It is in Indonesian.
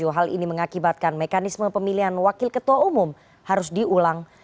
hal ini mengakibatkan mekanisme pemilihan wakil ketua umum harus diulang